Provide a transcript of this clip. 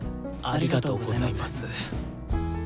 ありがとうございます。